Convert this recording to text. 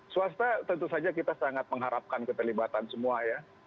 swasta tentu saja kita sangat mengharapkan keterlibatan semua ya